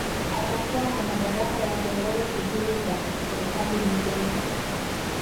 Atakuwa na madaraka ya kuongoza shughuli za serikali Bungeni